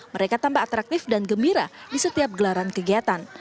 mereka tambah atraktif dan gembira di setiap gelaran kegiatan